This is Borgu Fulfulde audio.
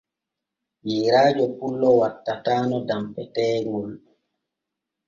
Yeerajo pullo wattatano danpeteeŋol.